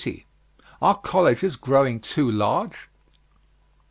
ARE COLLEGES GROWING TOO LARGE?